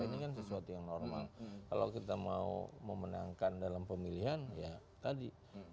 ini kan sesuatu yang normal kalau kita mau memenangkan dalam pemilihan ya tadi